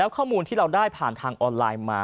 คุณสินทะนันสวัสดีครับ